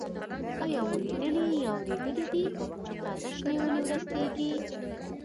آیا مو لیدلي یا اورېدلي دي چې تازه شنې ونې ورستېږي؟